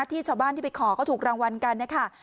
ที่ชาวบ้านที่ไปขอเขาถูกรางวัลกันนะคะ